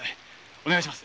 お願いします。